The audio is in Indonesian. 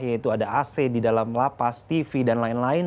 yaitu ada ac di dalam lapas tv dan lain lain